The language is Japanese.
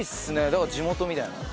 だから地元みたいな感じ。